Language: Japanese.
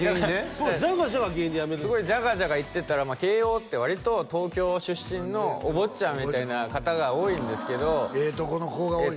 そうです「じゃがじゃが」原因でやめるんすよすごい「じゃがじゃが」言ってたら慶應って割と東京出身のお坊ちゃんみたいな方が多いんですけどええとこの子が多いね